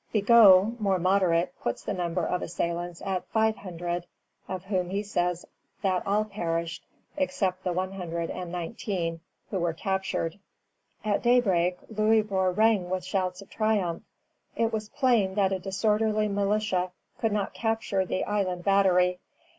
Bigot, more moderate, puts the number of assailants at five hundred, of whom he says that all perished, except the one hundred and nineteen who were captured. [Footnote: Bigot au Ministre, 1 Août, 1745.] At daybreak Louisbourg rang with shouts of triumph. It was plain that a disorderly militia could not capture the Island Battery.